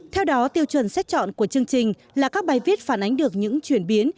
theo đó tiêu chuẩn xét chọn của chương trình là các bài viết phản ánh được những chuyển biến